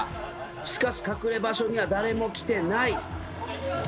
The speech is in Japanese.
しかし隠れ場所には誰も来てない。